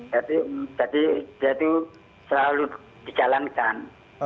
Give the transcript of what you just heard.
jadi dia tuh selalu dijalankan